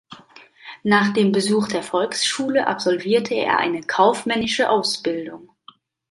Nach dem Besuch der Volksschule absolvierte er eine kaufmännische Ausbildung.